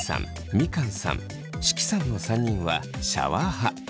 みかんさん識さんの３人はシャワー派。